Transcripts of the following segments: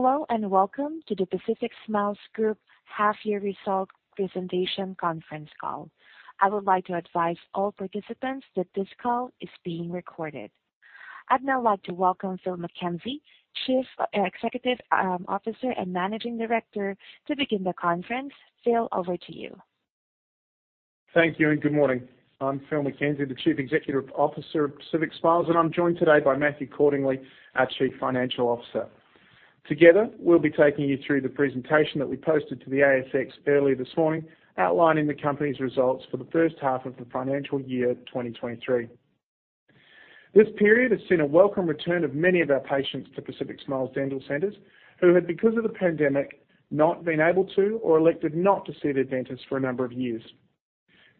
Hello, welcome to the Pacific Smiles Group half-year result presentation conference call. I would like to advise all participants that this call is being recorded. I'd now like to welcome Phil McKenzie, Chief Executive Officer and Managing Director to begin the conference. Phil, over to you. Thank you. Good morning. I'm Phil McKenzie, the Chief Executive Officer of Pacific Smiles, and I'm joined today by Matthew Cordingley, our Chief Financial Officer. Together, we'll be taking you through the presentation that we posted to the ASX earlier this morning, outlining the company's results for the first half of the financial year 2023. This period has seen a welcome return of many of our patients to Pacific Smiles Dental Centres, who had, because of the pandemic, not been able to or elected not to see their dentist for a number of years.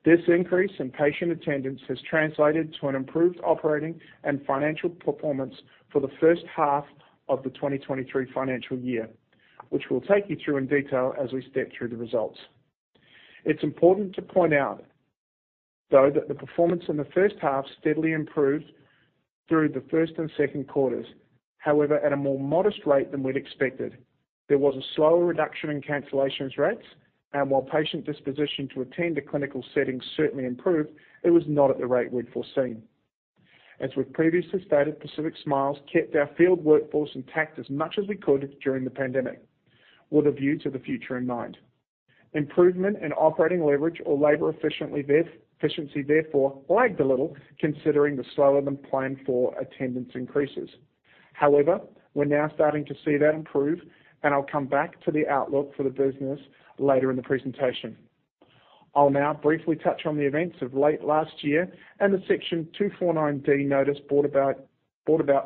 This increase in patient attendance has translated to an improved operating and financial performance for the first half of the 2023 financial year, which we'll take you through in detail as we step through the results. It's important to point out, though, that the performance in the first half steadily improved through the first and second quarters. At a more modest rate than we'd expected. There was a slower reduction in cancellations rates, and while patient disposition to attend a clinical setting certainly improved, it was not at the rate we'd foreseen. As we've previously stated, Pacific Smiles kept our field workforce intact as much as we could during the pandemic, with a view to the future in mind. Improvement in operating leverage or labor efficiency therefore lagged a little, considering the slower than planned for attendance increases. We're now starting to see that improve, and I'll come back to the outlook for the business later in the presentation. I'll now briefly touch on the events of late last year and the Section 249D notice brought about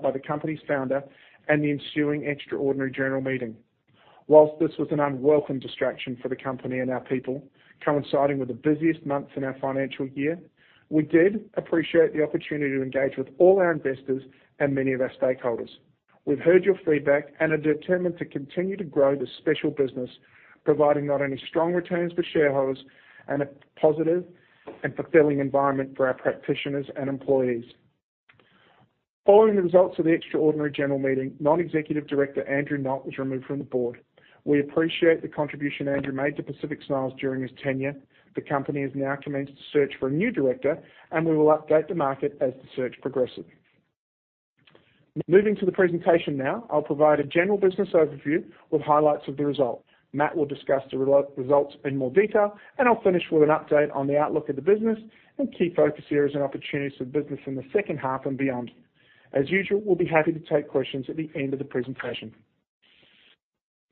by the company's founder and the ensuing Extraordinary General Meeting. While this was an unwelcome distraction for the company and our people, coinciding with the busiest months in our financial year, we did appreciate the opportunity to engage with all our investors and many of our stakeholders. We've heard your feedback and are determined to continue to grow this special business, providing not only strong returns for shareholders and a positive and fulfilling environment for our practitioners and employees. Following the results of the Extraordinary General Meeting, Non-Executive Director Andrew Knott was removed from the Board. We appreciate the contribution Andrew made to Pacific Smiles during his tenure. The company has now commenced a search for a new director. We will update the market as the search progresses. Moving to the presentation now, I'll provide a general business overview with highlights of the results. Matt will discuss the results in more detail, and I'll finish with an update on the outlook of the business and key focus areas and opportunities for the business in the second half and beyond. As usual, we'll be happy to take questions at the end of the presentation.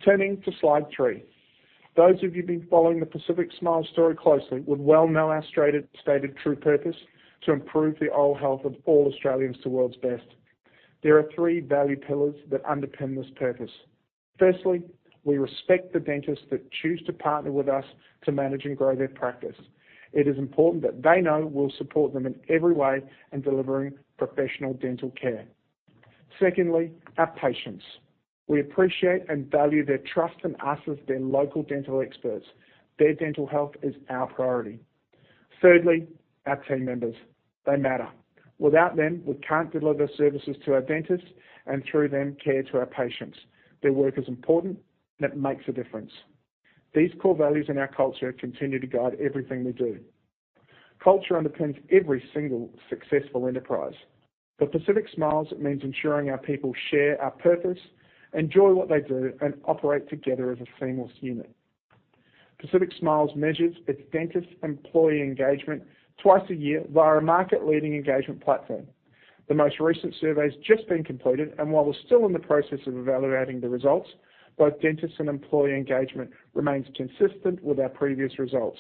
Turning to Slide 3. Those of you who've been following the Pacific Smiles story closely would well know our stated true purpose: to improve the oral health of all Australians to world's best. There are three value pillars that underpin this purpose. Firstly, we respect the dentists that choose to partner with us to manage and grow their practice. It is important that they know we'll support them in every way in delivering professional dental care. Secondly, our patients. We appreciate and value their trust in us as their local dental experts. Their dental health is our priority. Thirdly, our team members. They matter. Without them, we can't deliver services to our dentists and, through them, care to our patients. Their work is important. It makes a difference. These core values in our culture continue to guide everything we do. Culture underpins every single successful enterprise. For Pacific Smiles, it means ensuring our people share our purpose, enjoy what they do, and operate together as a seamless unit. Pacific Smiles measures its dentist-employee engagement twice a year via a market-leading engagement platform. The most recent survey has just been completed. While we're still in the process of evaluating the results, both dentists and employee engagement remains consistent with our previous results.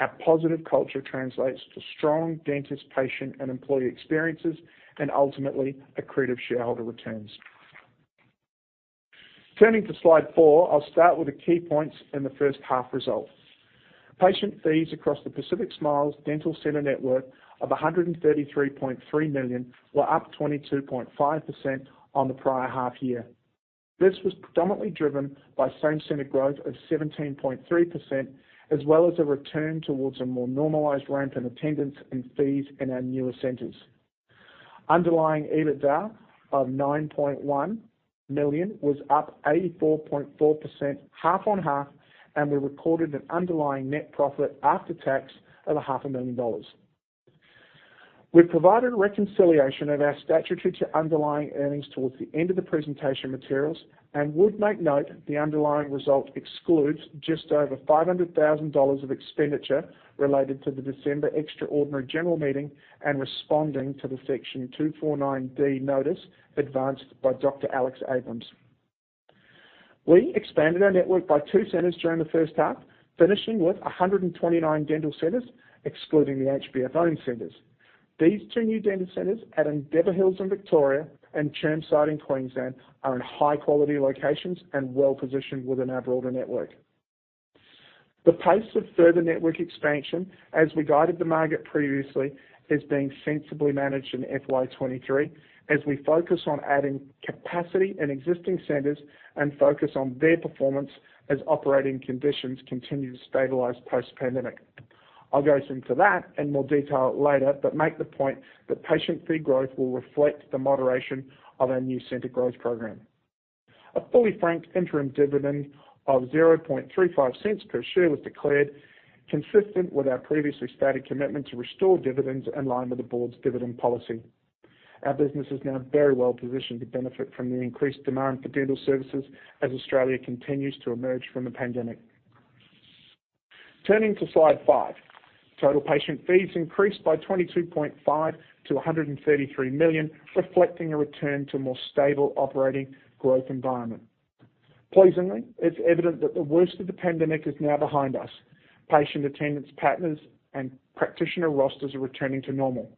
Our positive culture translates to strong dentist, patient, and employee experiences, ultimately, accretive shareholder returns. Turning to Slide 4, I'll start with the key points in the first half results. Patient fees across the Pacific Smiles Dental Centres network of 133.3 million were up 22.5% on the prior half-year. This was predominantly driven by same-center growth of 17.3%, as well as a return towards a more normalized ramp in attendance and fees in our newer centers. Underlying EBITDA of 9.1 million was up 84.4% half-on-half, we recorded an underlying net profit after tax of a 500,000 dollars. We've provided a reconciliation of our statutory to underlying earnings towards the end of the presentation materials and would make note the underlying result excludes just over 500,000 dollars of expenditure related to the December extraordinary general meeting and responding to the Section 249D notice advanced by Dr. Alex Abrahams. We expanded our network by two centers during the first half, finishing with 129 dental centers, excluding the HBF-owned centers. These two new dental centers at Endeavour Hills in Victoria and Chermside in Queensland are in high-quality locations and well-positioned within our broader network. The pace of further network expansion, as we guided the market previously, is being sensibly managed in FY 2023 as we focus on adding capacity in existing centers and focus on their performance as operating conditions continue to stabilize post-pandemic. I'll go into that in more detail later, but make the point that patient fee growth will reflect the moderation of our new center growth program. A fully franked interim dividend of 0.0035 per share was declared, consistent with our previously stated commitment to restore dividends in line with the Board's dividend policy. Our business is now very well positioned to benefit from the increased demand for dental services as Australia continues to emerge from the pandemic. Turning to Slide 5. Total patient fees increased by 22.5% to 133 million, reflecting a return to more stable operating growth environment. Pleasingly, it's evident that the worst of the pandemic is now behind us. Patient attendance patterns and practitioner rosters are returning to normal.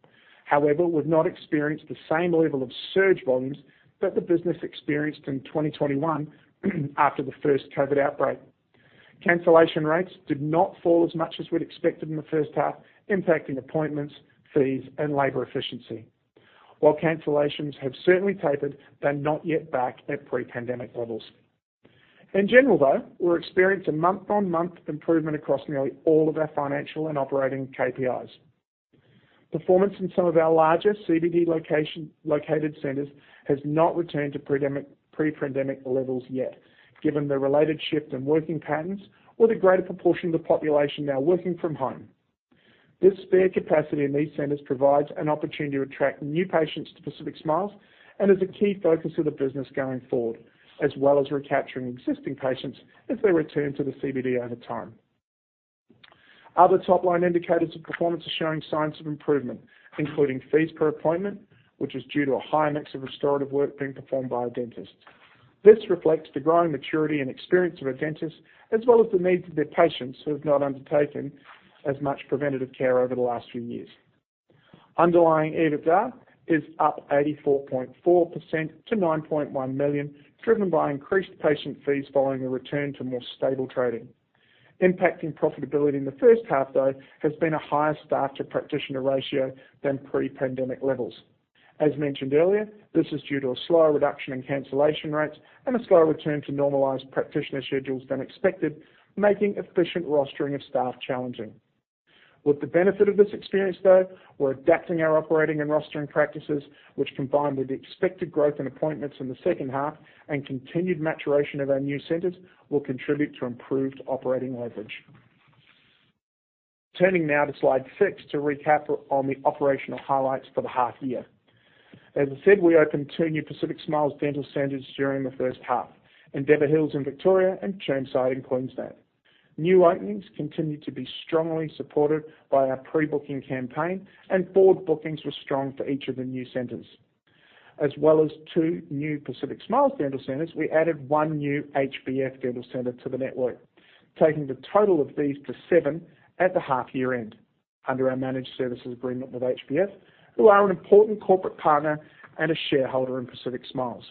However, we've not experienced the same level of surge volumes that the business experienced in 2021 after the first COVID outbreak. Cancellation rates did not fall as much as we'd expected in the first half, impacting appointments, fees and labor efficiency. While cancellations have certainly tapered, they're not yet back at pre-pandemic levels. In general, though, we're experienced a month-on-month improvement across nearly all of our financial and operating KPIs. Performance in some of our larger CBD location, located centers has not returned to pre-pandemic levels yet, given the related shift in working patterns or the greater proportion of the population now working from home. This spare capacity in these centers provides an opportunity to attract new patients to Pacific Smiles and is a key focus of the business going forward, as well as recapturing existing patients as they return to the CBD over time. Other top-line indicators of performance are showing signs of improvement, including fees per appointment, which is due to a higher mix of restorative work being performed by our dentists. This reflects the growing maturity and experience of our dentists, as well as the needs of their patients who have not undertaken as much preventative care over the last few years. Underlying EBITDA is up 84.4% to 9.1 million, driven by increased patient fees following a return to more stable trading. Impacting profitability in the first half, though, has been a higher staff to practitioner ratio than pre-pandemic levels. As mentioned earlier, this is due to a slower reduction in cancellation rates and a slower return to normalized practitioner schedules than expected, making efficient rostering of staff challenging. With the benefit of this experience, though, we're adapting our operating and rostering practices which, combined with the expected growth in appointments in the second half and continued maturation of our new centers, will contribute to improved operating leverage. Turning now to Slide 6 to recap on the operational highlights for the half year. As I said, we opened two new Pacific Smiles Dental Centers during the first half, Endeavor Hills in Victoria and Chermside in Queensland. New openings continued to be strongly supported by our pre-booking campaign, and forward bookings were strong for each of the new centers. As well as two new Pacific Smiles Dental Centers, we added one new HBF Dental Center to the network, taking the total of these to seven at the half year-end under our managed services agreement with HBF, who are an important corporate partner and a shareholder in Pacific Smiles.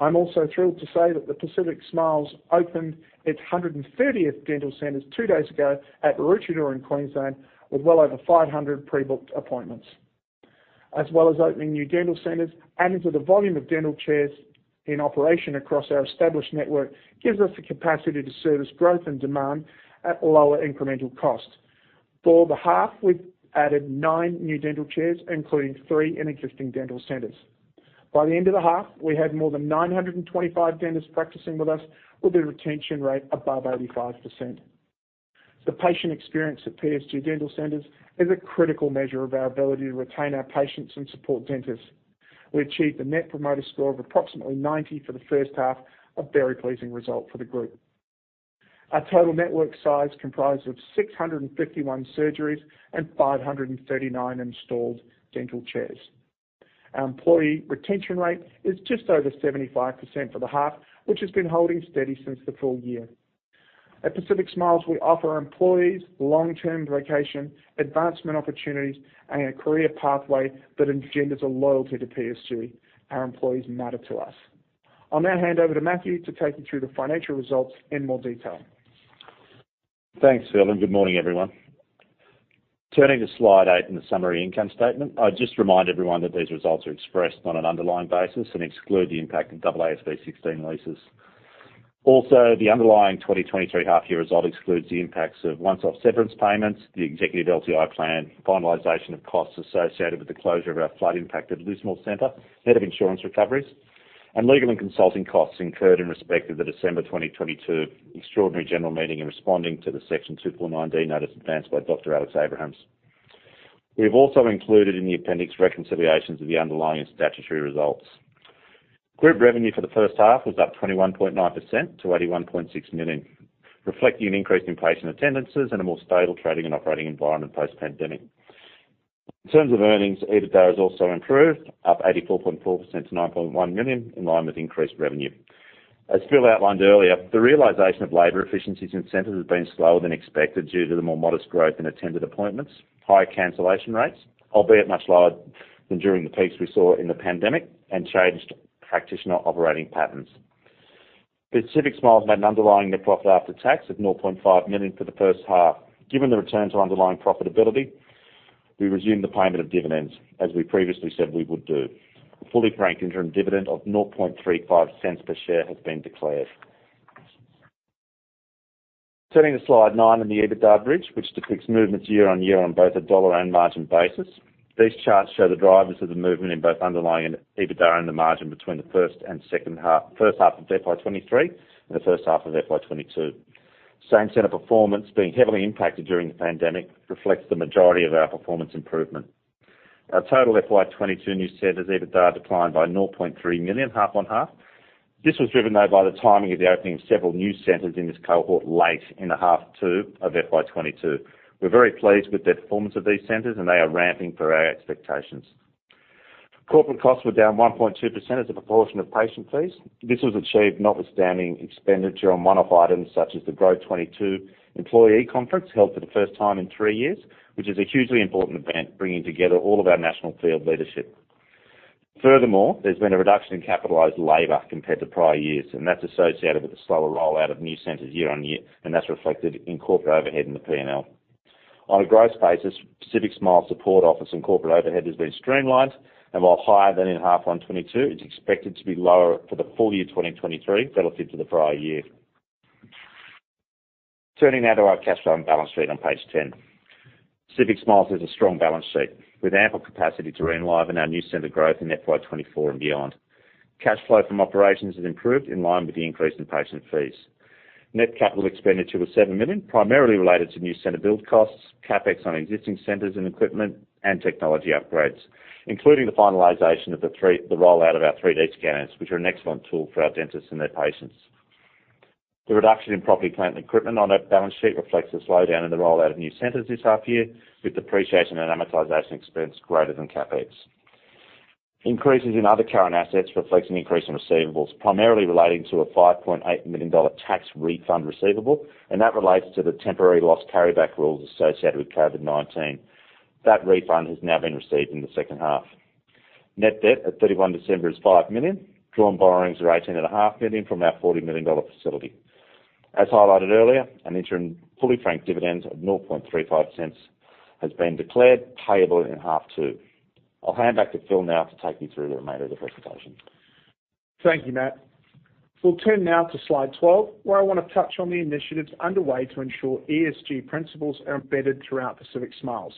I'm also thrilled to say that the Pacific Smiles opened its 130th dental center two days ago at Maroochydore in Queensland, with well over 500 pre-booked appointments. As well as opening new dental centers, adding to the volume of dental chairs in operation across our established network gives us the capacity to service growth and demand at lower incremental cost. For the half, we've added nine new dental chairs, including three in existing dental centers. By the end of the half, we had more than 925 dentists practicing with us, with a retention rate above 85%. The patient experience at PSG Dental Centres is a critical measure of our ability to retain our patients and support dentists. We achieved a net promoter score of approximately 90 for the first half, a very pleasing result for the group. Our total network size comprised of 651 surgeries and 539 installed dental chairs. Our employee retention rate is just over 75% for the half, which has been holding steady since the full year. At Pacific Smiles, we offer our employees long-term vacation advancement opportunities and a career pathway that engenders a loyalty to PSG. Our employees matter to us. I'll now hand over to Matthew to take you through the financial results in more detail. Thanks, Phil. Good morning, everyone. Turning to Slide 8 in the summary income statement, I'd just remind everyone that these results are expressed on an underlying basis and exclude the impact of AASB 16 leases. The underlying 2023 half year result excludes the impacts of once-off severance payments, the executive LTI plan, finalization of costs associated with the closure of our flood-impacted Lismore center, net of insurance recoveries, and legal and consulting costs incurred in respect of the December 2022 extraordinary general meeting in responding to the Section 249D notice advanced by Dr. Alex Abrahams. We have also included in the appendix reconciliations of the underlying and statutory results. Group revenue for the first half was up 21.9% to 81.6 million, reflecting an increase in patient attendances and a more stable trading and operating environment post-pandemic. In terms of earnings, EBITDA has also improved, up 84.4% to 9.1 million, in line with increased revenue. As Phil outlined earlier, the realization of labor efficiencies in centers has been slower than expected due to the more modest growth in attended appointments, higher cancellation rates, albeit much lower than during the peaks we saw in the pandemic, and changed practitioner operating patterns. Pacific Smiles made an underlying net profit after tax of 0.5 million for the first half. Given the return to underlying profitability, we resumed the payment of dividends as we previously said we would do. A fully franked interim dividend of 0.0035 per share has been declared. Turning to Slide 9 on the EBITDA bridge, which depicts movements year-over-year on both a dollar and margin basis. These charts show the drivers of the movement in both underlying and EBITDA and the margin between the first and second half, first half of FY 2023 and the first half of FY 2022. Same center performance being heavily impacted during the pandemic reflects the majority of our performance improvement. Our total FY 2022 new centers EBITDA declined by 0.3 million half-on-half. This was driven though by the timing of the opening of several new centers in this cohort late in the half two of FY 2022. We're very pleased with the performance of these centers, and they are ramping per our expectations. Corporate costs were down 1.2% as a proportion of patient fees. This was achieved notwithstanding expenditure on one-off items such as the GROW 22 Employee Conference held for the first time in three years, which is a hugely important event, bringing together all of our national field leadership. Furthermore, there's been a reduction in capitalized labor compared to prior years, and that's associated with the slower rollout of new centers year-on-year, and that's reflected in corporate overhead in the P&L. On a gross basis, Pacific Smiles support office and corporate overhead has been streamlined, and while higher than in half on 2022, it's expected to be lower for the FY 2023 relative to the prior year. Turning now to our cash flow and balance sheet on Page 10. Pacific Smiles has a strong balance sheet with ample capacity to enliven our new center growth in FY 2024 and beyond. Cash flow from operations has improved in line with the increase in patient fees. Net capital expenditure was 7 million, primarily related to new center build costs, CapEx on existing centers and equipment and technology upgrades, including the finalization of the rollout of our 3D scanners, which are an excellent tool for our dentists and their patients. The reduction in property, plant, and equipment on our balance sheet reflects a slowdown in the rollout of new centers this half year, with depreciation and amortization expense greater than CapEx. Increases in other current assets reflects an increase in receivables, primarily relating to an 5.8 million dollar tax refund receivable. That relates to the temporary loss carryback rules associated with COVID-19. That refund has now been received in the second half. Net debt at 31 December is 5 million. Drawn borrowings are 18.5 million from our 40 million dollar facility. As highlighted earlier, an interim fully franked dividend of 0.0035 has been declared payable in half two. I'll hand back to Phil now to take you through the remainder of the presentation. Thank you, Matt. We'll turn now to Slide 12, where I want to touch on the initiatives underway to ensure ESG principles are embedded throughout Pacific Smiles.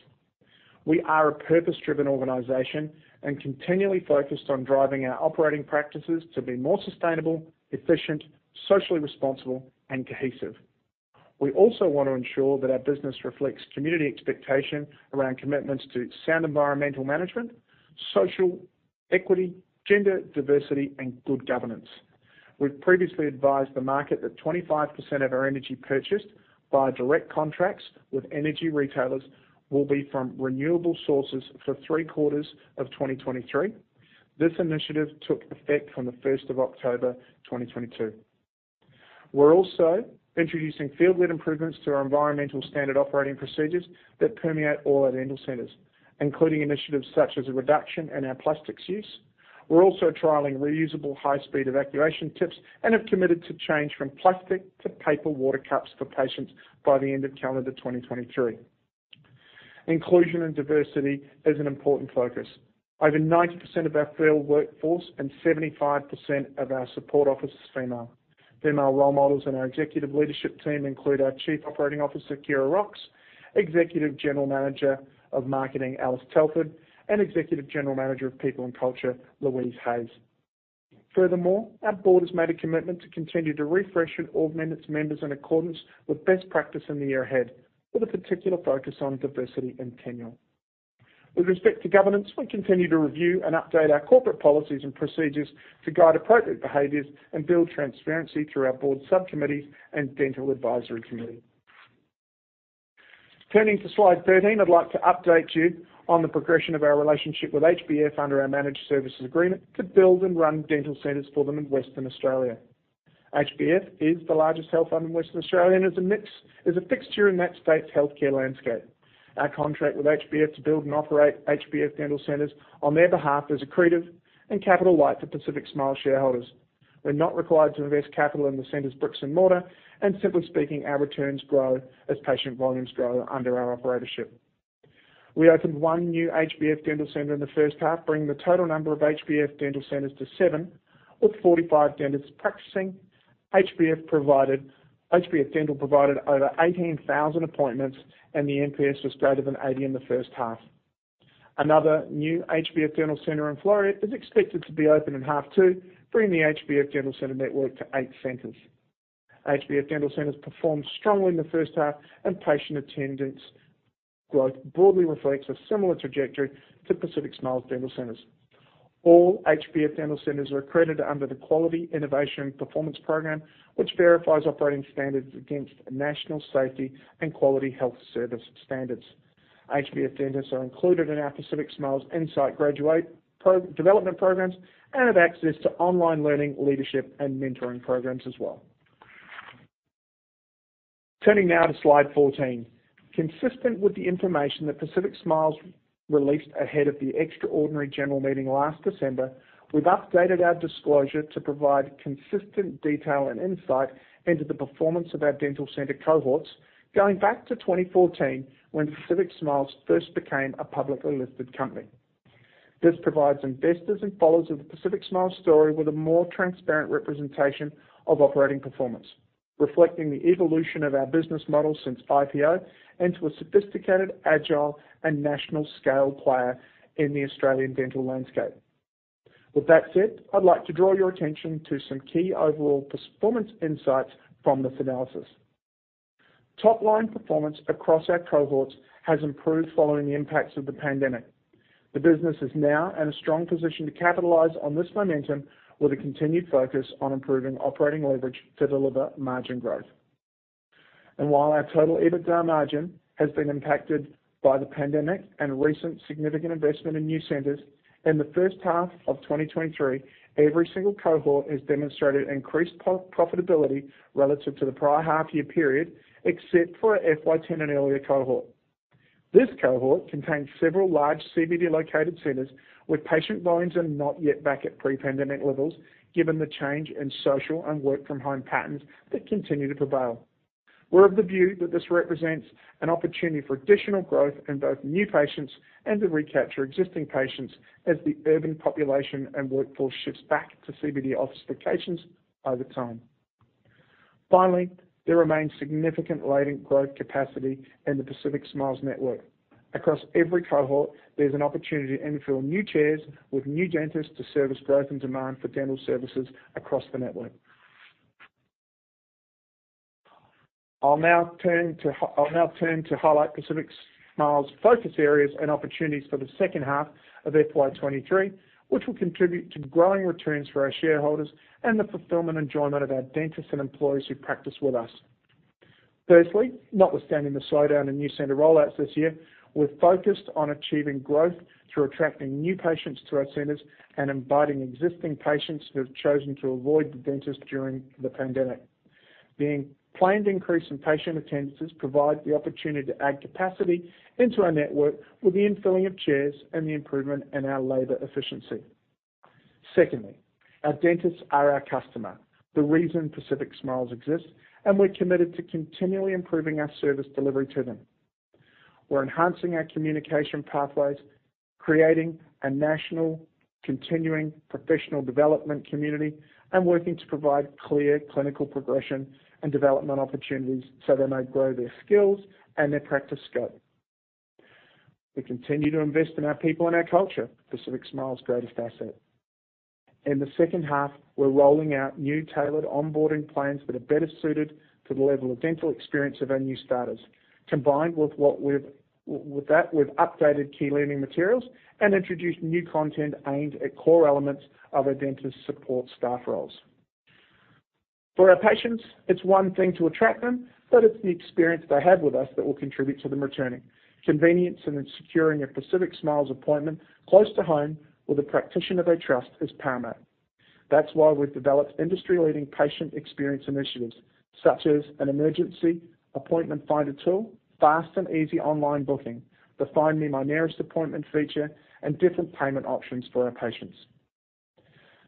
We are a purpose-driven organization and continually focused on driving our operating practices to be more sustainable, efficient, socially responsible, and cohesive. We also want to ensure that our business reflects community expectation around commitments to sound environmental management, social equity, gender diversity, and good governance. We've previously advised the market that 25% of our energy purchased by direct contracts with energy retailers will be from renewable sources for three quarters of 2023. This initiative took effect from the 1st of October 2022. We're also introducing field-led improvements to our environmental standard operating procedures that permeate all our dental centers, including initiatives such as a reduction in our plastics use. We're also trialing reusable high-speed evacuation tips and have committed to change from plastic to paper water cups for patients by the end of calendar 2023. Inclusion and diversity is an important focus. Over 90% of our field workforce and 75% of our support office is female. Female role models in our executive leadership team include our Chief Operating Officer, Ciara Rocks, Executive General Manager of Marketing, Alice Telford, and Executive General Manager of People and Culture, Louise Hayes. Our board has made a commitment to continue to refresh and augment its members in accordance with best practice in the year ahead, with a particular focus on diversity and tenure. With respect to governance, we continue to review and update our corporate policies and procedures to guide appropriate behaviors and build transparency through our board subcommittees and dental advisory committee. Turning to Slide 13, I'd like to update you on the progression of our relationship with HBF under our Managed Services Agreement to build and run dental centers for them in Western Australia. HBF is the largest health fund in Western Australia and is a fixture in that state's healthcare landscape. Our contract with HBF to build and operate HBF dental centers on their behalf is accretive and capital light for Pacific Smiles shareholders. We're not required to invest capital in the center's bricks and mortar, and simply speaking, our returns grow as patient volumes grow under our operatorship. We opened one new HBF dental center in the first half, bringing the total number of HBF dental centers to seven, with 45 dentists practicing. HBF Dental provided over 18,000 appointments, and the NPS was greater than 80 in the first half. Another new HBF Dental center in Floreat is expected to be open in half two, bringing the HBF Dental center network to eight centers. HBF Dental centers performed strongly in the first half, and patient attendance growth broadly reflects a similar trajectory to Pacific Smiles Dental centers. All HBF Dental centers are accredited under the Quality, Innovation, and Performance program, which verifies operating standards against national safety and quality health service standards. HBF dentists are included in our Pacific Smiles Insight graduate development programs and have access to online learning, leadership, and mentoring programs as well. Turning now to Slide 14. Consistent with the information that Pacific Smiles released ahead of the Extraordinary General Meeting last December, we've updated our disclosure to provide consistent detail and insight into the performance of our dental center cohorts going back to 2014 when Pacific Smiles first became a publicly listed company. This provides investors and followers of the Pacific Smiles story with a more transparent representation of operating performance, reflecting the evolution of our business model since IPO into a sophisticated, agile, and national scale player in the Australian dental landscape. I'd like to draw your attention to some key overall performance insights from this analysis. Top line performance across our cohorts has improved following the impacts of the pandemic. The business is now in a strong position to capitalize on this momentum with a continued focus on improving operating leverage to deliver margin growth. While our total EBITDA margin has been impacted by the pandemic and recent significant investment in new centers, in the first half of 2023, every single cohort has demonstrated increased pro-profitability relative to the prior half year period, except for our FY 2010 and earlier cohort. This cohort contains several large CBD-located centers where patient volumes are not yet back at pre-pandemic levels, given the change in social and work-from-home patterns that continue to prevail. We're of the view that this represents an opportunity for additional growth in both new patients and to recapture existing patients as the urban population and workforce shifts back to CBD office locations over time. Finally, there remains significant latent growth capacity in the Pacific Smiles network. Across every cohort, there's an opportunity to infill new chairs with new dentists to service growth and demand for dental services across the network. I'll now turn to highlight Pacific Smiles' focus areas and opportunities for the second half of FY 2023, which will contribute to growing returns for our shareholders and the fulfillment and enjoyment of our dentists and employees who practice with us. Firstly, notwithstanding the slowdown in new center rollouts this year, we're focused on achieving growth through attracting new patients to our centers and inviting existing patients who have chosen to avoid the dentist during the pandemic. The planned increase in patient attendances provide the opportunity to add capacity into our network with the infilling of chairs and the improvement in our labor efficiency. Secondly, our dentists are our customer, the reason Pacific Smiles exists, and we're committed to continually improving our service delivery to them. We're enhancing our communication pathways, creating a national continuing professional development community, and working to provide clear clinical progression and development opportunities so they may grow their skills and their practice scope. We continue to invest in our people and our culture, Pacific Smiles' greatest asset. In the second half, we're rolling out new tailored onboarding plans that are better suited to the level of dental experience of our new starters. Combined with that, we've updated key learning materials and introduced new content aimed at core elements of our dentist support staff roles. For our patients, it's one thing to attract them, but it's the experience they have with us that will contribute to them returning. Convenience and then securing a Pacific Smiles appointment close to home with a practitioner they trust is paramount. That's why we've developed industry-leading patient experience initiatives, such as an emergency appointment finder tool, fast and easy online booking, the Find Me My Nearest appointment feature, and different payment options for our patients.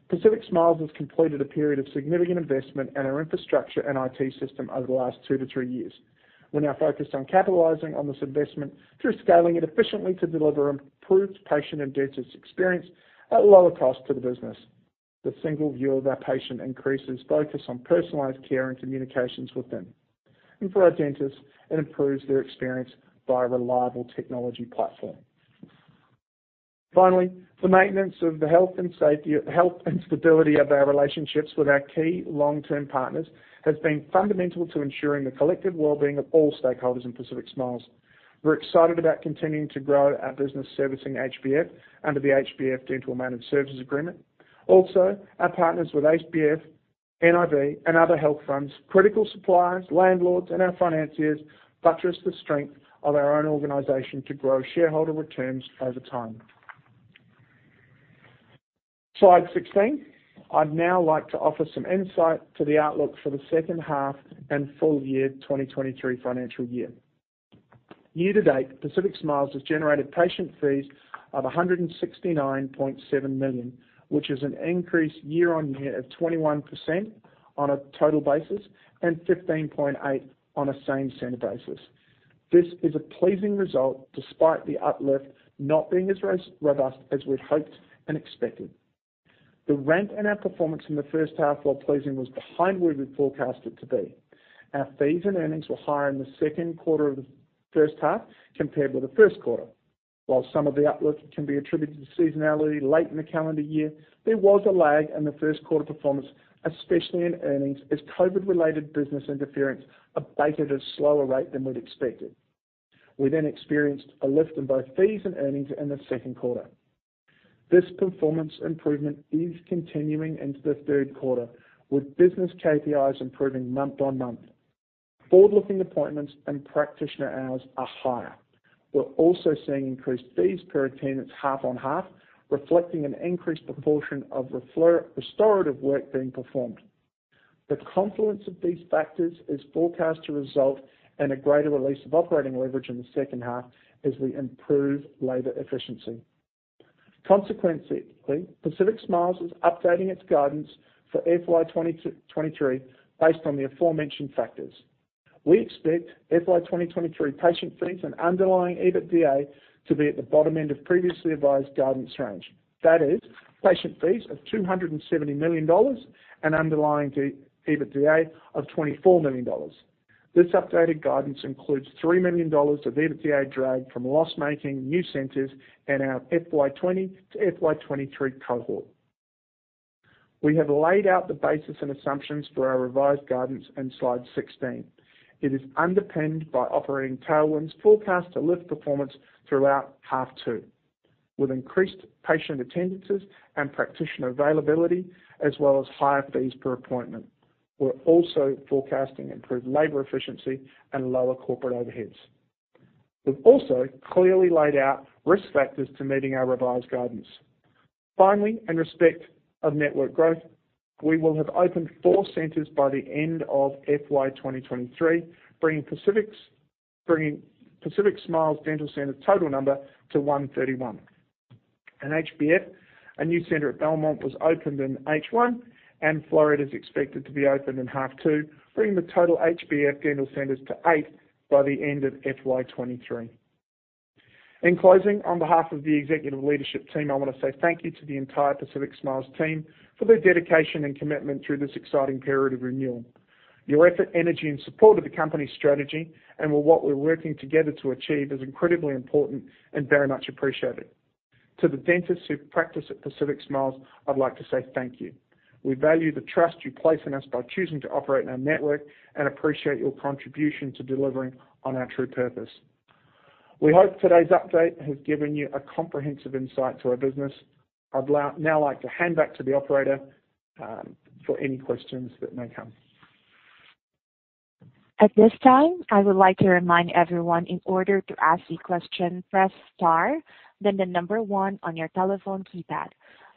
Pacific Smiles has completed a period of significant investment in our infrastructure and IT system over the last two to three years. We're now focused on capitalizing on this investment through scaling it efficiently to deliver improved patient and dentist experience at lower cost to the business. The single view of our patient increases focus on personalized care and communications with them. For our dentists, it improves their experience by a reliable technology platform. Finally, the maintenance of the health and stability of our relationships with our key long-term partners has been fundamental to ensuring the collective wellbeing of all stakeholders in Pacific Smiles. We're excited about continuing to grow our business servicing HBF under the HBF Dental Management Services Agreement. Our partners with HBF, nib and other health funds, critical suppliers, landlords, and our financiers buttress the strength of our own organization to grow shareholder returns over time. Slide 16, I'd now like to offer some insight to the outlook for the second half and full year 2023 financial year. Year-to-date, Pacific Smiles has generated patient fees of 169.7 million, which is an increase year-on-year of 21% on a total basis and 15.8% on a same center basis. This is a pleasing result despite the uplift not being as robust as we'd hoped and expected. The ramp in our performance in the first half, while pleasing, was behind where we forecasted to be. Our fees and earnings were higher in the second quarter of the first half compared with the first quarter. While some of the outlook can be attributed to seasonality late in the calendar year, there was a lag in the first quarter performance, especially in earnings, as COVID-related business interference abated at a slower rate than we'd expected. We experienced a lift in both fees and earnings in the second quarter. This performance improvement is continuing into the third quarter, with business KPIs improving month-on-month. Forward-looking appointments and practitioner hours are higher. We're also seeing increased fees per attendance half-on-half, reflecting an increased proportion of restorative work being performed. The confluence of these factors is forecast to result in a greater release of operating leverage in the second half as we improve labor efficiency. Consequently, Pacific Smiles is updating its guidance for FY 2023 based on the aforementioned factors. We expect FY 2023 patient fees and underlying EBITDA to be at the bottom end of previously advised guidance range. That is, patient fees of 270 million dollars and underlying the EBITDA of 24 million dollars. This updated guidance includes 3 million dollars of EBITDA drag from loss-making new centers and our FY 2020-FY 2023 cohort. We have laid out the basis and assumptions for our revised guidance in Slide 16. It is underpinned by operating tailwinds forecast to lift performance throughout half two, with increased patient attendances and practitioner availability, as well as higher fees per appointment. We're also forecasting improved labor efficiency and lower corporate overheads. We've also clearly laid out risk factors to meeting our revised guidance. Finally, in respect of network growth, we will have opened four centers by the end of FY 2023, bringing Pacific Smiles Dental centers total number to 131. In HBF, a new center at Belmont was opened in H1. Floreat is expected to be opened in H2, bringing the total HBF Dental centers to eight by the end of FY 2023. In closing, on behalf of the executive leadership team, I wanna say thank you to the entire Pacific Smiles team for their dedication and commitment through this exciting period of renewal. Your effort, energy, and support of the company's strategy and with what we're working together to achieve is incredibly important and very much appreciated. To the dentists who practice at Pacific Smiles, I'd like to say thank you. We value the trust you place in us by choosing to operate in our network and appreciate your contribution to delivering on our true purpose. We hope today's update has given you a comprehensive insight to our business. I'd now like to hand back to the operator for any questions that may come. At this time, I would like to remind everyone, in order to ask a question, press star then the number one on your telephone keypad.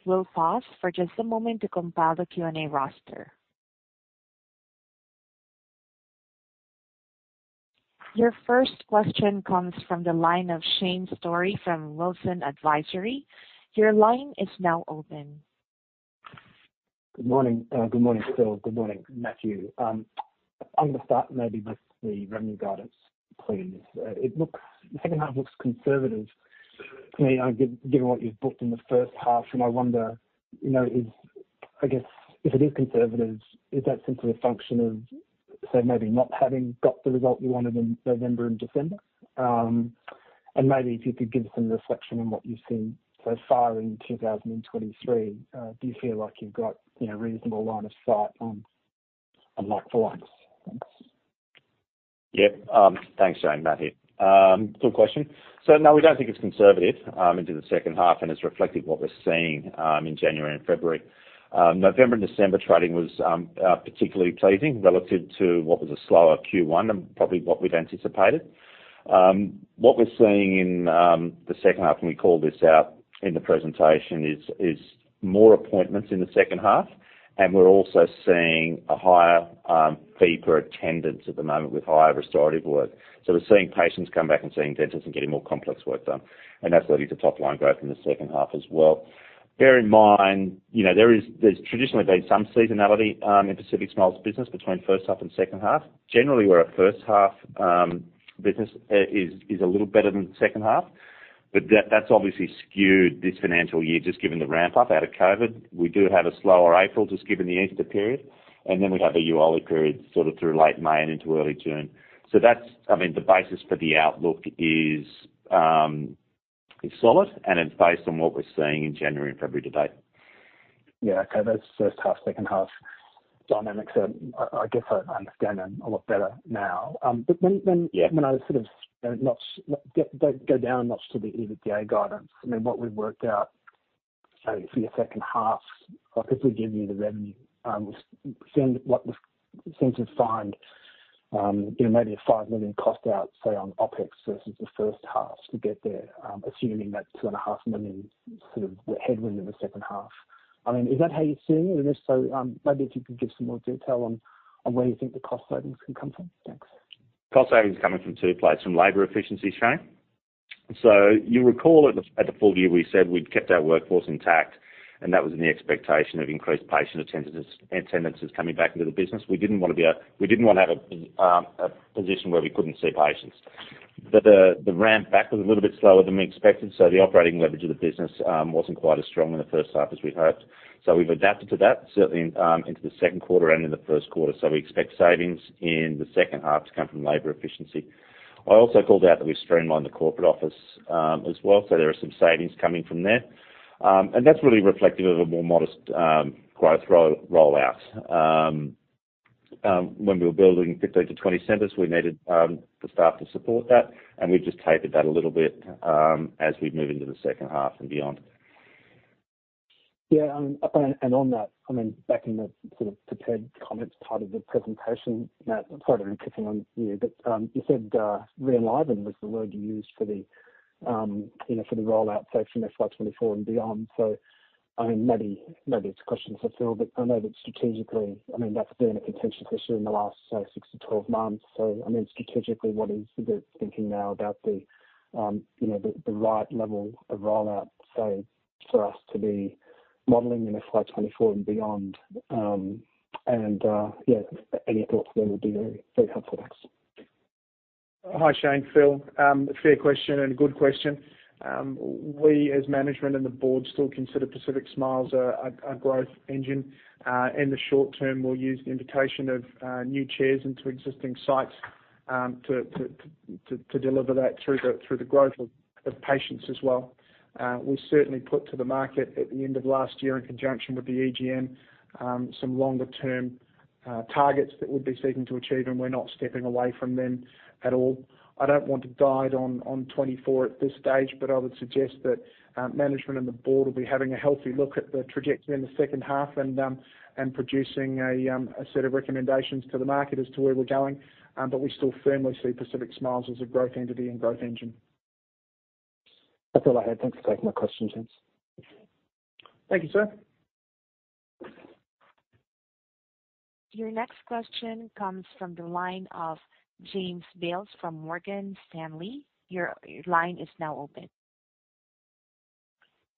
We'll pause for just a moment to compile the Q&A roster. Your first question comes from the line of Shane Storey from Wilsons Advisory. Your line is now open. Good morning. Good morning, Phil. Good morning, Matthew. I'm gonna start maybe with the revenue guidance, please. It looks, the second half looks conservative to me, given what you've booked in the first half, and I wonder, you know, I guess, if it is conservative, is that simply a function of, say, maybe not having got the result you wanted in November and December? Maybe if you could give some reflection on what you've seen so far in 2023. Do you feel like you've got, you know, reasonable line of sight on like-for-likes? Thanks. Yeah. Thanks, Shane. Matthew. Good question. No, we don't think it's conservative into the second half, and it's reflecting what we're seeing in January and February. November and December trading was particularly pleasing relative to what was a slower Q1 and probably what we'd anticipated. What we're seeing in the second half, and we called this out in the presentation, is more appointments in the second half, and we're also seeing a higher fee per attendance at the moment with higher restorative work. We're seeing patients come back and seeing dentists and getting more complex work done. That's leading to top-line growth in the second half as well. Bear in mind, you know, there's traditionally been some seasonality in Pacific Smiles business between first half and second half. Generally, we're a first half, business is a little better than second half, but that's obviously skewed this financial year just given the ramp-up out of COVID. We do have a slower April, just given the Easter period. We have a yearly period sort of through late May and into early June. That's, I mean, the basis for the outlook is solid and it's based on what we're seeing in January and February to date. Yeah. Okay. Those first half, second half dynamics are I guess I understand them a lot better now. When... Yeah. When I sort of, you know, notch, go down, notch to the EBITDA guidance. I mean, what we've worked out, say, for your second half, like if we give you the revenue, send what we seem to find, you know, maybe a 5 million cost out, say, on OpEx versus the first half to get there, assuming that 2.5 million sort of the headwind in the second half. I mean, is that how you're seeing it? If so, maybe if you could give some more detail on where you think the cost savings can come from. Thanks. Cost savings coming from two places. From labor efficiencies, Shane. You recall at the, at the full view, we said we'd kept our workforce intact, and that was in the expectation of increased patient attendances coming back into the business. We didn't wanna have a position where we couldn't see patients. The ramp back was a little bit slower than we expected, so the operating leverage of the business wasn't quite as strong in the first half as we'd hoped. We've adapted to that certainly into the second quarter and in the first quarter. We expect savings in the second half to come from labor efficiency. I also called out that we streamlined the corporate office as well, so there are some savings coming from there. That's really reflective of a more modest, growth rollout. When we were building 15 to 20 centers, we needed, the staff to support that, and we've just tapered that a little bit, as we move into the second half and beyond. Yeah. On that, I mean, back in the sort of prepared comments part of the presentation, Matt, sorry to keep on you. You said re-enliven was the word you used for the, you know, for the rollout phase from FY 2024 and beyond. I mean, maybe it's a question for Phil, but I know that strategically, I mean, that's been a contentious issue in the last, say, six to 12 months. I mean, strategically, what is the thinking now about the, you know, the right level of rollout, say, for us to be modeling in FY 2024 and beyond. Yeah, any thoughts there would be very, very helpful. Thanks. Hi Shane, Phil. Fair question and a good question. We as Management and the Board still consider Pacific Smiles a growth engine. In the short term, we'll use the invitation of new chairs into existing sites to deliver that through the growth of patients as well. We certainly put to the market at the end of last year in conjunction with the EGM some longer term targets that we'll be seeking to achieve, and we're not stepping away from them at all. I don't want to guide on 2024 at this stage, I would suggest that management and the board will be having a healthy look at the trajectory in the second half and producing a set of recommendations to the market as to where we're going. We still firmly see Pacific Smiles as a growth entity and growth engine. That's all I had. Thanks for taking my questions. Thank you, sir. Your next question comes from the line of James Bales from Morgan Stanley. Your line is now open.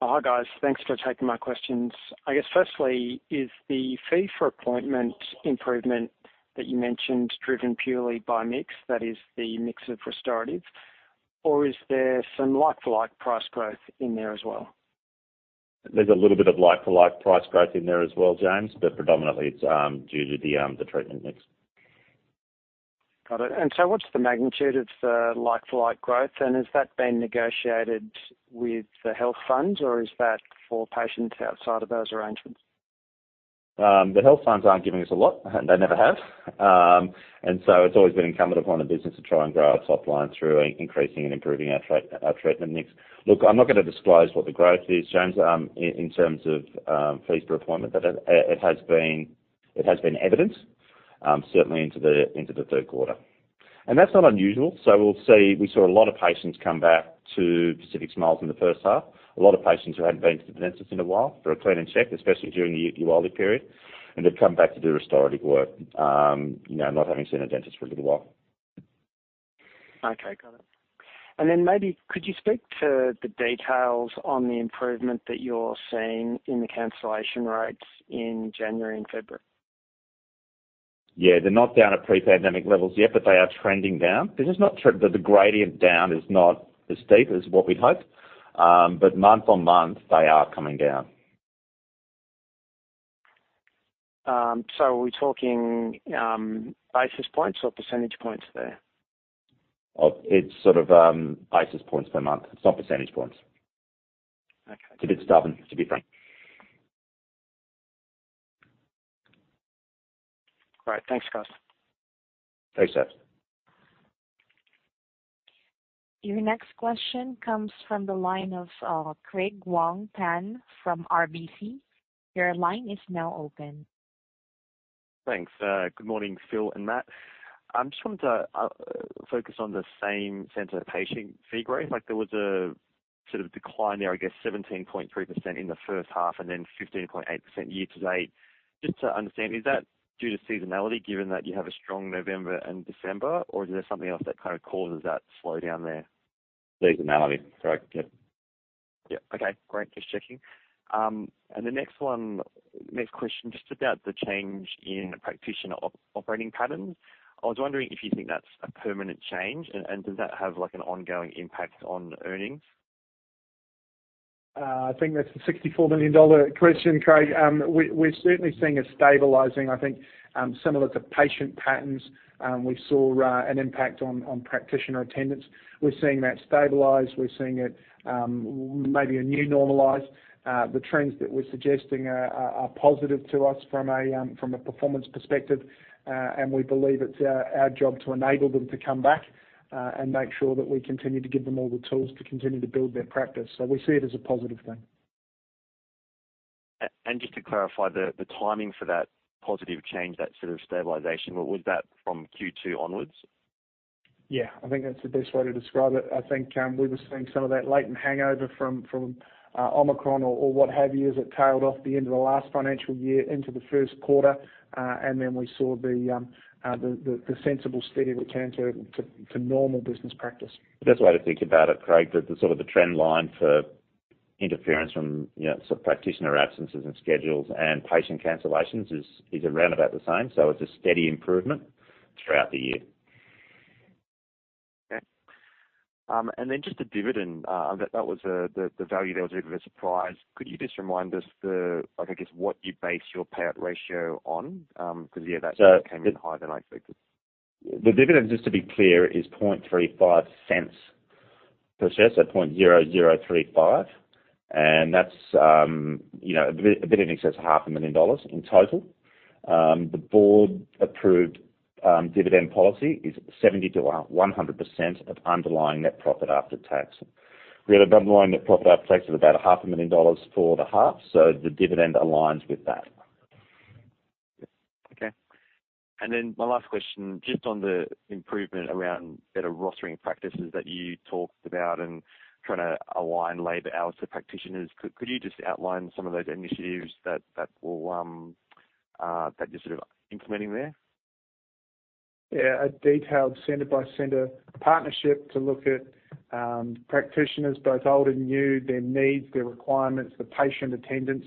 Hi, guys. Thanks for taking my questions. I guess firstly, is the fee for appointment improvement that you mentioned driven purely by mix, that is the mix of restorative, or is there some like-for-like price growth in there as well? There's a little bit of like-for-like price growth in there as well, James, but predominantly it's due to the treatment mix. Got it. What's the magnitude of the like-for-like growth? Has that been negotiated with the health funds, or is that for patients outside of those arrangements? The health funds aren't giving us a lot. They never have. It's always been incumbent upon the business to try and grow our top line through increasing and improving our treatment mix. Look, I'm not gonna disclose what the growth is, James, in terms of fees per appointment, but it has been evident, certainly into the third quarter. That's not unusual. We'll see. We saw a lot of patients come back to Pacific Smiles in the first half. A lot of patients who hadn't been to the dentist in a while for a clean and check, especially during the early period, and they've come back to do restorative work, you know, not having seen a dentist for a little while. Okay. Got it. Maybe could you speak to the details on the improvement that you're seeing in the cancellation rates in January and February? Yeah. They're not down at pre-pandemic levels yet, but they are trending down. The gradient down is not as steep as what we'd hoped. Month on month, they are coming down. Are we talking, basis points or percentage points there? It's sort of, basis points per month. It's not percentage points. Okay. It's a bit stubborn, to be frank. All right. Thanks, guys. Thanks, James. Your next question comes from the line of, Craig Wong-Pan from RBC. Your line is now open. Thanks. Good morning, Phil and Matt. I'm just wanting to focus on the same center of patient fee growth. There was a sort of decline there, I guess 17.3% in the first half and then 15.8% year-to-date. Just to understand, is that due to seasonality, given that you have a strong November and December, or is there something else that kind of causes that slowdown there? Seasonality, correct. Yeah. Yeah. Okay, great. Just checking. The next one, next question, just about the change in practitioner operating patterns. I was wondering if you think that's a permanent change and does that have, like, an ongoing impact on earnings? I think that's the 64 million dollar question, Craig. We're certainly seeing it stabilizing. I think, similar to patient patterns, we saw an impact on practitioner attendance. We're seeing that stabilize. We're seeing it, maybe a new normalize. The trends that we're suggesting are positive to us from a performance perspective. We believe it's our job to enable them to come back and make sure that we continue to give them all the tools to continue to build their practice. We see it as a positive thing. Just to clarify the timing for that positive change, that sort of stabilization, was that from Q2 onwards? Yeah, I think that's the best way to describe it. I think, we were seeing some of that latent hangover from Omicron or what have you, as it tailed off the end of the last financial year into the first quarter. We saw the sensible, steady return to normal business practice. The best way to think about it, Craig, the sort of the trend line for interference from, you know, sort of practitioner absences and schedules and patient cancellations is around about the same. It's a steady improvement throughout the year. Okay. Then just the dividend, that was the value there was a bit of a surprise. Could you just remind us the, I guess, what you base your payout ratio on? Because yeah, that came in higher than I expected. The dividend, just to be clear, is 0.0035 per share, so 0.0035, and that's, you know, a bit in excess of half a million dollars in total. The Board-approved dividend policy is 70%-100% of underlying net profit after tax. We had an underlying net profit after tax of about half a million dollars for the half, so the dividend aligns with that. Okay. My last question, just on the improvement around better rostering practices that you talked about and trying to align labor hours to practitioners. Could you just outline some of those initiatives that will that you're sort of implementing there? Yeah, a detailed center by center partnership to look at practitioners, both old and new, their needs, their requirements, the patient attendance,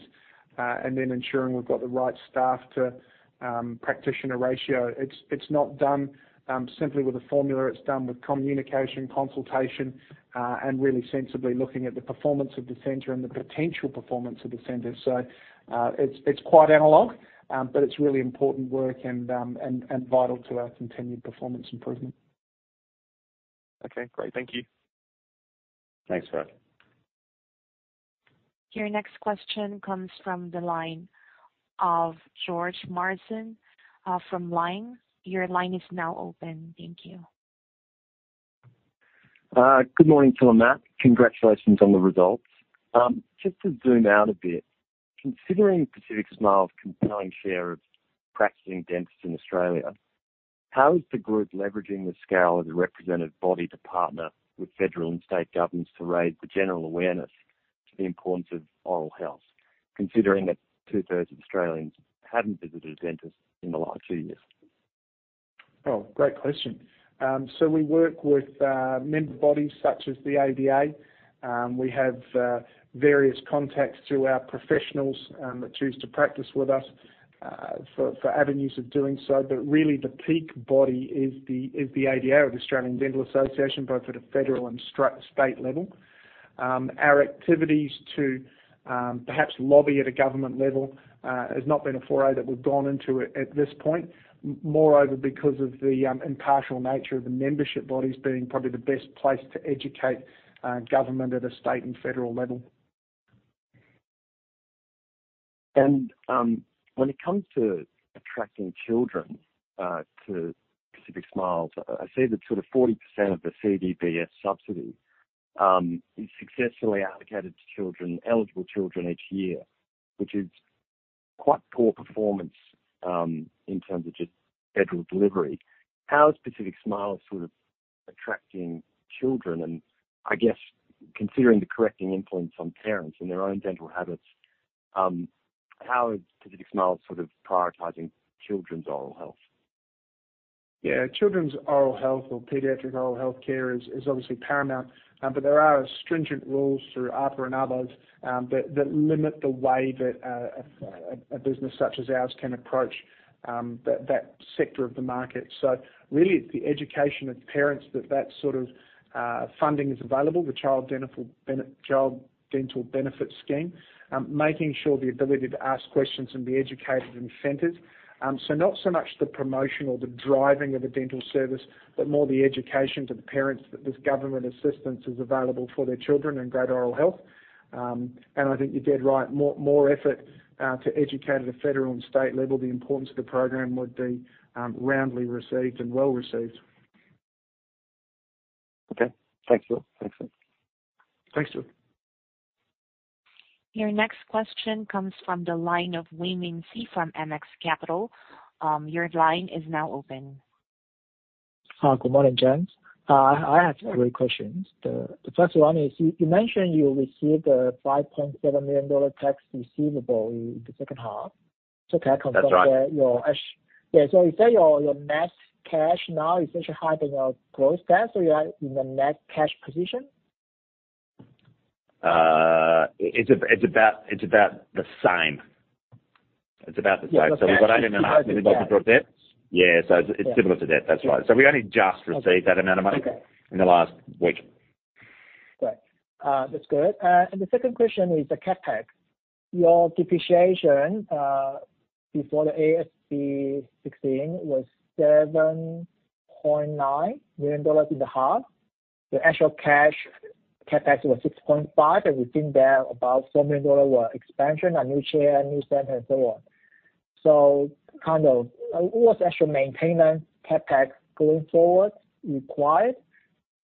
and then ensuring we've got the right staff to practitioner ratio. It's not done simply with a formula. It's done with communication, consultation, and really sensibly looking at the performance of the center and the potential performance of the center. It's quite analog, but it's really important work and vital to our continued performance improvement. Okay, great. Thank you. Thanks, Craig. Your next question comes from the line of George Morrison, from Lang. Your line is now open. Thank you. Good morning to Matt. Congratulations on the results. Just to zoom out a bit, considering Pacific Smiles' compelling share of practicing dentists in Australia, how is the group leveraging the scale of the representative body to partner with federal and state governments to raise the general awareness to the importance of oral health, considering that two-thirds of Australians hadn't visited a dentist in the last two years? Great question. We work with member bodies such as the ADA. We have various contacts through our professionals that choose to practice with us for avenues of doing so. Really the peak body is the ADA or the Australian Dental Association, both at a federal and state level. Our activities to perhaps lobby at a government level has not been a foray that we've gone into it at this point. Moreover, because of the impartial nature of the membership bodies being probably the best place to educate government at a state and federal level. When it comes to attracting children, to Pacific Smiles, I see that sort of 40% of the CDBS subsidy, is successfully allocated to children, eligible children each year, which is quite poor performance, in terms of just federal delivery. How is Pacific Smiles sort of attracting children? I guess considering the correcting influence on parents and their own dental habits, how is Pacific Smiles sort of prioritizing children's oral health? Children's oral health or pediatric oral health care is obviously paramount, but there are stringent rules through APRA and others that limit the way that a business such as ours can approach that sector of the market. Really it's the education of parents that sort of funding is available, the Child Dental Benefits Schedule, making sure the ability to ask questions and be educated and centered. Not so much the promotion or the driving of a dental service, but more the education to the parents that this government assistance is available for their children and great oral health. I think you're dead right. More effort to educate at a federal and state level, the importance of the program would be roundly received and well received. Okay. Thanks, Phil. Thanks, Phil. Thanks, George. Your next question comes from the line of Weimin Xie from MX Capital. Your line is now open. Hi. Good morning, gents. I have three questions. The first one is you mentioned you received a 5.7 million dollar tax receivable in the second half. can I confirm. That's right. Yeah. You say your net cash now is actually higher than your gross debt, you are in the net cash position? It's about the same. It's about the same. Yeah. Okay. We've got 80 million dollars in gross debt. Yeah. It's similar to that. That's right. We only just received that amount of money. Okay. In the last week. Great. That's good. The second question is the CapEx. Your depreciation, before the AASB 16 was 7.9 million dollars in the half. The actual cash CapEx was 6.5 million, we've seen that about 7 million dollars were expansion on new chair, new center and so on. Kind of what's actual maintenance CapEx going forward required?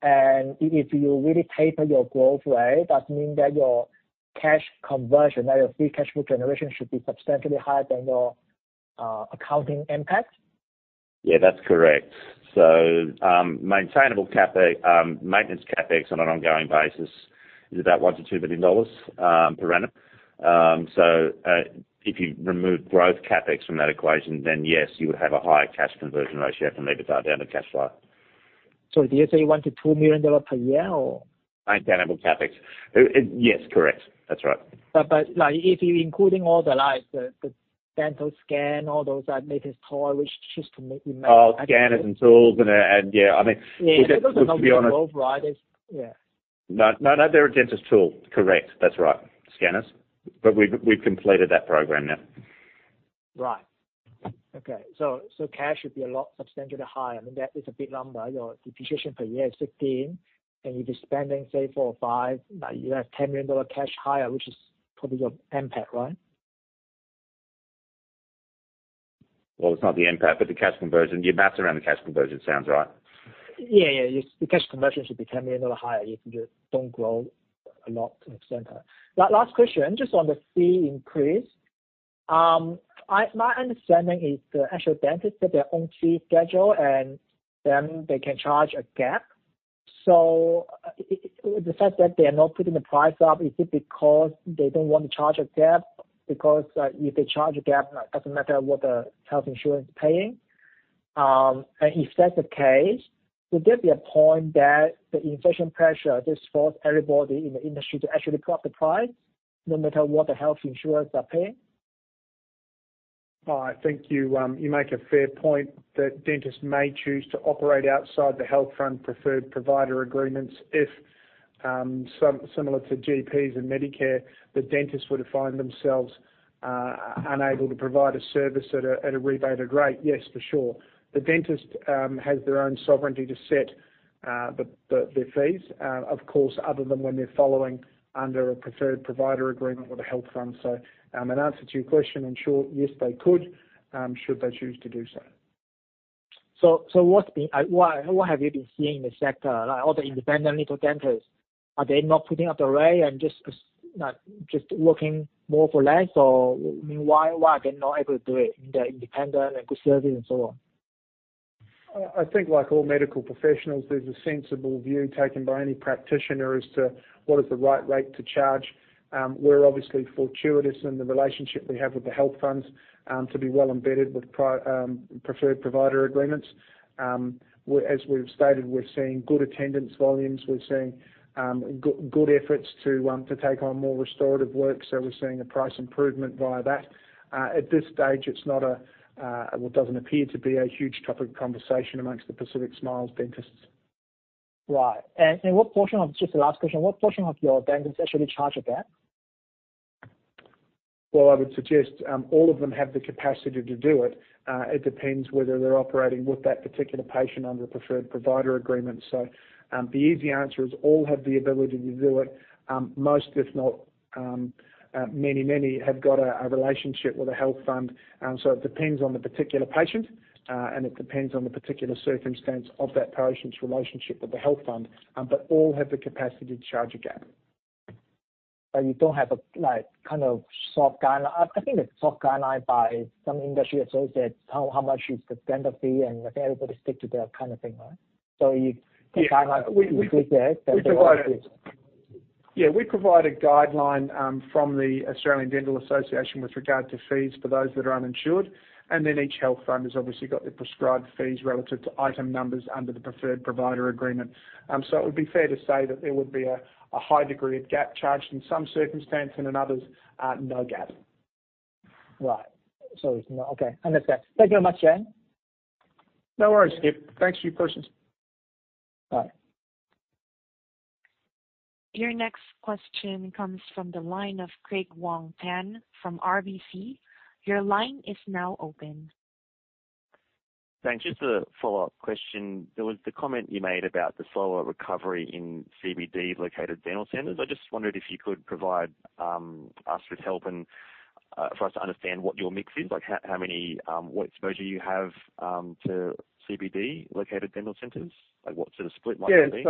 If you really taper your growth rate, does it mean that your cash conversion or your free cash flow generation should be substantially higher than your accounting impact? Yeah, that's correct. Maintenance CapEx on an ongoing basis is about 1 million-2 million dollars per annum. If you remove growth CapEx from that equation, then yes, you would have a higher cash conversion ratio and lever down the cash flow. Did you say 1 million-2 million dollar per year or? Maintainable CapEx. Yes, correct. That's right. Like if you're including all the like, the dental scan, all those latest toy which used to. Oh, scanners and tools and then and, yeah, I mean, to be honest. Yeah. Those are growth, right? Yeah. No, no, they're a dentist tool. Correct. That's right. Scanners. We've completed that program now. Right. Okay. Cash should be a lot substantially higher. I mean, that is a big number. Your depreciation per year is 16 million, and you'd be spending, say, 4 million or 5 million. Now you have 10 million dollar cash higher, which is probably your impact, right? Well, it's not the impact, but the cash conversion. Your math around the cash conversion sounds right. Yeah. The cash conversion should be 10 million dollar or higher if you don't grow a lot to the center. Last question, just on the fee increase. My understanding is the actual dentist set their own fee schedule and then they can charge a gap. The fact that they are not putting the price up, is it because they don't want to charge a debt? If they charge a gap, it doesn't matter what the health insurance is paying. If that's the case, would there be a point that the inflation pressure just force everybody in the industry to actually put up the price no matter what the health insurers are paying? I think you make a fair point that dentists may choose to operate outside the health fund preferred provider agreements if, similar to GPs and Medicare, the dentist were to find themselves unable to provide a service at a rebated rate. Yes, for sure. The dentist has their own sovereignty to set their fees, of course, other than when they're following under a preferred provider agreement with a health fund. An answer to your question, in short, yes, they could, should they choose to do so. What have you been seeing in the sector? Like, all the independent little dentists, are they not putting up the rate and just, like, working more for less? I mean, why are they not able to do it? They're independent and good service and so on. I think like all medical professionals, there's a sensible view taken by any practitioner as to what is the right rate to charge. We're obviously fortuitous in the relationship we have with the health funds, to be well embedded with preferred provider agreements. As we've stated, we're seeing good attendance volumes. We're seeing good efforts to take on more restorative work, so we're seeing a price improvement via that. At this stage, it's not a well, it doesn't appear to be a huge topic of conversation amongst the Pacific Smiles dentists. Right. What portion of, just the last question, what portion of your dentists actually charge a gap? Well, I would suggest, all of them have the capacity to do it. It depends whether they're operating with that particular patient under the preferred provider agreement. The easy answer is all have the ability to do it. Most, if not, many, many have got a relationship with the health fund. It depends on the particular patient, and it depends on the particular circumstance of that patient's relationship with the health fund. All have the capacity to charge a gap. You don't have a, like, kind of soft guide. I think a soft guideline by some industry associate, how much is the standard fee and everybody stick to that kind of thing, right? Yeah. the guidelines include that? We provide Yeah, we provide a guideline from the Australian Dental Association with regard to fees for those that are uninsured. Then each health fund has obviously got their prescribed fees relative to item numbers under the preferred provider agreement. It would be fair to say that there would be a high degree of gap charged in some circumstance, and in others, no gap. Right. Okay, understand. Thank you very much, Phil. No worries, Skip. Thanks for your questions. Bye. Your next question comes from the line of Craig Wong-Pan from RBC. Your line is now open. Thanks. Just a follow-up question. There was the comment you made about the slower recovery in CBD-located dental centers. I just wondered if you could provide us with help and for us to understand what your mix is, like how many, what exposure you have to CBD-located dental centers, like what sort of split might there be?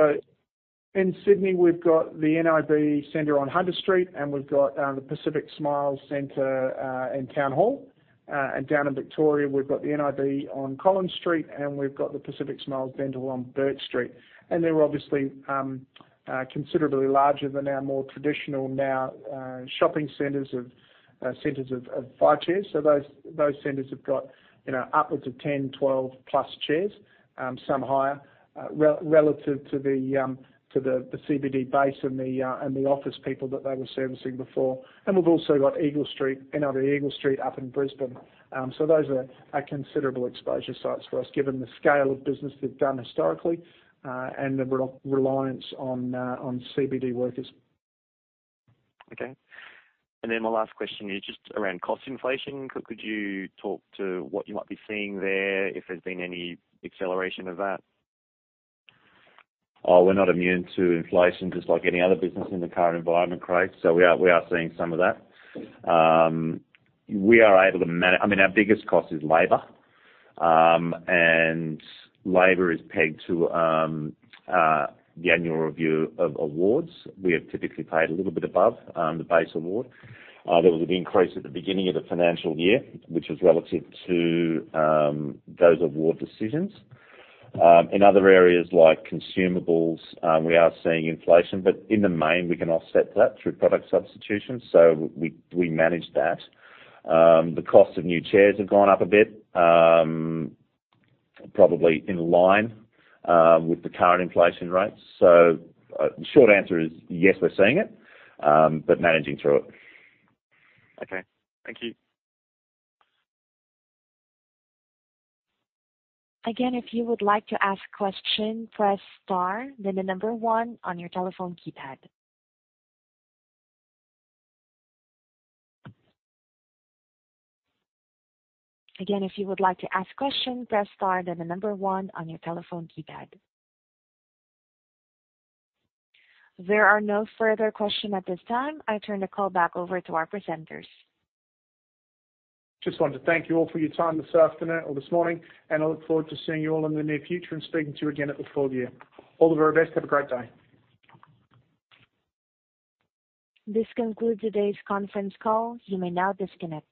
In Sydney, we've got the nib center on Hunter Street, and we've got the Pacific Smiles center in Town Hall. Down in Victoria, we've got the nib on Collins Street, and we've got the Pacific Smiles Dental on Bourke Street. They're obviously considerably larger than our more traditional now shopping centers of centers of five chairs. Those centers have got, you know, upwards of 10, 12+ chairs, some higher relative to the CBD base and the office people that they were servicing before. We've also got Eagle Street, nib Eagle Street up in Brisbane. Those are considerable exposure sites for us, given the scale of business they've done historically, and the reliance on CBD workers. Okay. Then my last question is just around cost inflation. Could you talk to what you might be seeing there, if there's been any acceleration of that? We're not immune to inflation just like any other business in the current environment, Craig. We are seeing some of that. We are able to I mean, our biggest cost is labor, and labor is pegged to the annual review of awards. We have typically paid a little bit above the base award. There was an increase at the beginning of the financial year, which was relative to those award decisions. In other areas like consumables, we are seeing inflation. In the main, we can offset that through product substitution. We manage that. The cost of new chairs have gone up a bit, probably in line with the current inflation rates. Short answer is yes, we're seeing it. Managing through it. Okay. Thank you. Again, if you would like to ask question, press star then the number one on your telephone keypad. Again, if you would like to ask question, press star then the number one on your telephone keypad. There are no further question at this time. I turn the call back over to our presenters. Just wanted to thank you all for your time this afternoon or this morning, and I look forward to seeing you all in the near future and speaking to you again at the full year. All the very best. Have a great day. This concludes today's conference call. You may now disconnect.